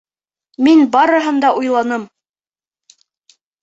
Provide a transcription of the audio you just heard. Мин барыһын да уйланым.